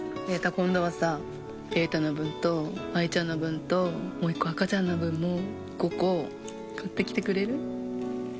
今度はさ瑛太の分と愛ちゃんの分ともう１個赤ちゃんの分も５個買ってきてくれる？